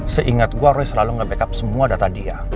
seingat gue harus selalu nge backup semua data dia